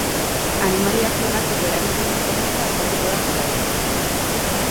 Animaliak klonatzeko erabiltzen den teknika azalduko da jarraian.